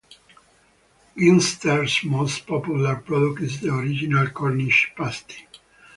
Ginsters' most popular product is the Original Cornish Pasty.